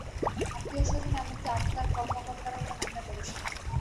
আত্মীয় স্বজন, এমনকি আফগান কর্মকর্তারাও তাঁর নিন্দা করেছেন।